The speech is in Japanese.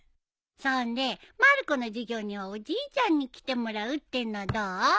そんでまる子の授業にはおじいちゃんに来てもらうってのはどう？